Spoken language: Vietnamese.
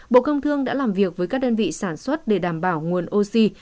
bộ công thương đã làm việc với các đơn vị sản xuất để đảm bảo nguồn oxy